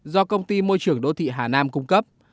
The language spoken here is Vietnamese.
do công ty môi trường đô thị hà nam cung cấp